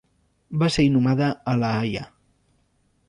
Va ser inhumada a La Haia.